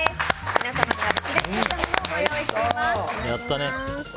皆様には別で作ったものをご用意しています。